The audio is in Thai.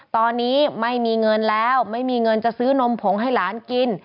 ตอนนี้ไม่มีเงินแล้วไม่มีเงินจะซื้อนมผงให้หลานกิน